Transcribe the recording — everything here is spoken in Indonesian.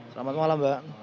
selamat malam mbak